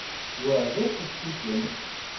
Wa d asefk i kemm.